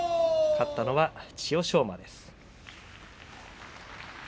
勝ったのは、千代翔馬。